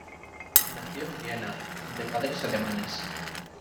Nació en Viena, de padres Alemanes.